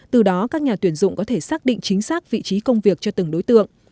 từ đó các nhà tuyển dụng có thể xác định chính xác vị trí công việc cho từng đối tượng